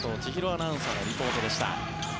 アナウンサーのリポートでした。